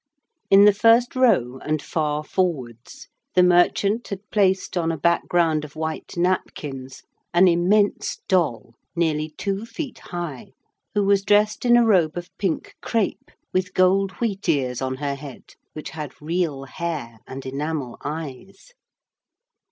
In the first row, and far forwards, the merchant had placed on a background of white napkins, an immense doll, nearly two feet high, who was dressed in a robe of pink crepe, with gold wheat ears on her head, which had real hair and enamel eyes.